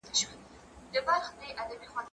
کېدای سي اوبه سړې وي!؟